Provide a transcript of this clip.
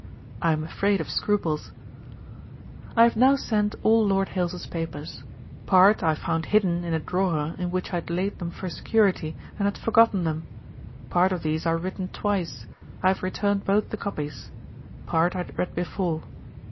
I am afraid of scruples. 'I have now sent all Lord Hailes's papers; part I found hidden in a drawer in which I had laid them for security, and had forgotten them. Part of these are written twice: I have returned both the copies. Part I had read before.